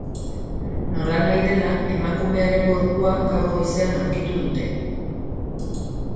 Nolanahi dela, emakumearen gorpua gaur goizean aurkitu dute.